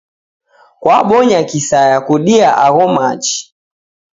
Kwabonya kisaya kudia agho machi